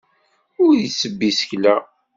Ur ittebbi isekla.